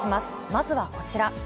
まずはこちら。